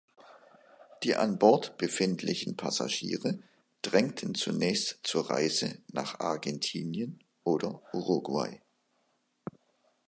Die an Bord befindlichen Passagiere drängten zunächst zur Reise nach Argentinien oder Uruguay.